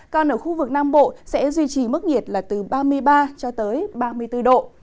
còn ở khu vực nam bộ sẽ duy trì mức nhiệt là từ ba mươi ba cho tới ba mươi bốn độ